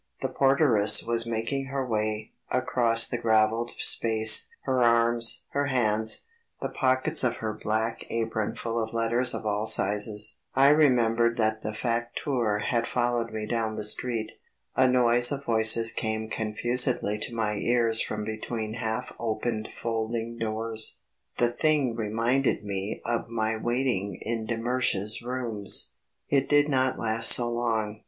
The porteress was making her way across the gravelled space, her arms, her hands, the pockets of her black apron full of letters of all sizes. I remembered that the facteur had followed me down the street. A noise of voices came confusedly to my ears from between half opened folding doors; the thing reminded me of my waiting in de Mersch's rooms. It did not last so long.